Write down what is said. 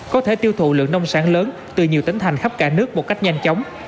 có thể tiêu thụ lượng nông sản lớn từ nhiều tỉnh thành khắp cả nước một cách nhanh chóng